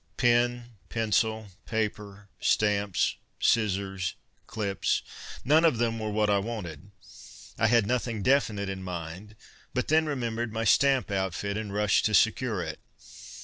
Pen, pencil, paper, stamps, scissors, clips none of them were what I wanted. I had nothing definite in mind, but then remembered my stamp outfit and rushed to secure it.